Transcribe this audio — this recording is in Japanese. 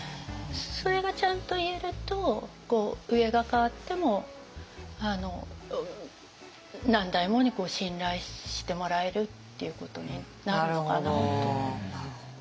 それがちゃんと言えると上が代わっても何代もに信頼してもらえるっていうことになるのかなと思います。